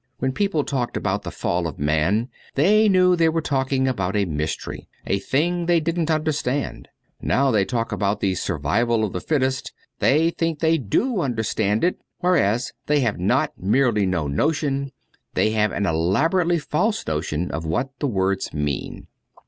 When people talked about the Fall of Man, they knew they were talking about a mystery, a thing they didn't understand. Now they talk about the survival of the fittest : they think they do understand it, whereas they have not merely no notion, they have an elaborately false notion of what the words mean.